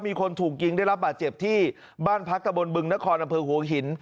มีคนถูกยิงได้รับบาดเจ็บที่บ้านพักตะบนบึงนครอำเภอหัวหิน